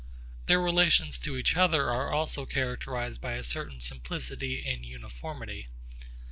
Their relations to each other are also characterised by a certain simplicity and uniformity.